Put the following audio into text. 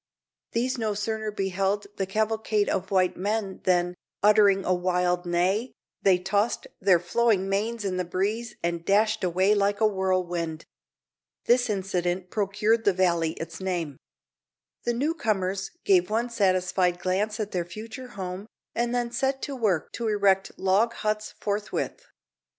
These no sooner beheld the cavalcade of white men than, uttering a wild neigh, they tossed their flowing manes in the breeze and dashed away like a whirlwind. This incident procured the valley its name. The new comers gave one satisfied glance at their future home, and then set to work to erect log huts forthwith.